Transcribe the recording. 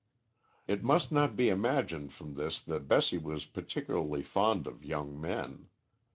It must not be imagined from this that Bessie was particularly fond of young men.